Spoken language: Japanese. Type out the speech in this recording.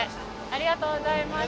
ありがとうございます。